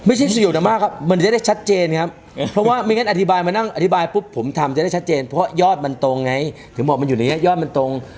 ไม่ใช่สยดนาม่าครับมันจะได้ชัดเจนครับเพราะว่าไม่งั้นอธิบายมานั่งอธิบายปุ๊บผมทำจะได้ชัดเจนเพราะยอดมันตรงไงถึงบอกมันอยู่ในนี้ยอดมันตรง